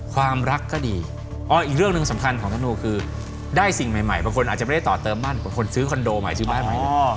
ความรักก็ดีอีกเรื่องหนึ่งสำคัญของธนูคือได้สิ่งใหม่บางคนอาจจะไม่ได้ต่อเติมบ้านกว่าคนซื้อคอนโดใหม่ซื้อบ้านใหม่